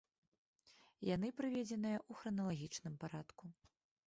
Яны прыведзеныя ў храналагічным парадку.